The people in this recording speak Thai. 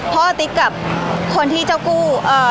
เพราะว่าติ๊กกับคนที่เจ้ากู้